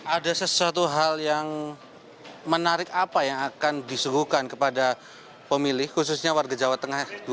ada sesuatu hal yang menarik apa yang akan disuguhkan kepada pemilih khususnya warga jawa tengah